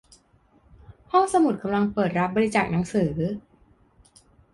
ห้องสมุดกำลังเปิดรับบริจาคหนังสือ